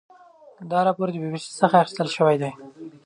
دا راپور د بي بي سي څخه اخیستل شوی دی.